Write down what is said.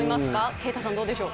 啓太さん、どうでしょう？